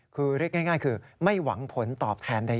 คือเรียกง่ายคือไม่หวังผลตอบแทนใด